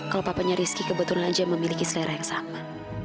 kalau papanya rizky kebetulan aja memiliki selera yang sama